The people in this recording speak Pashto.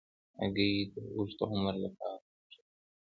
هګۍ د اوږد عمر لپاره ګټوره ده.